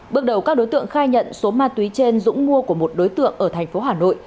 bước đầu các đối tượng khai nhận số ma túy trên dũng mua của một đối tượng ở thành phố hà nội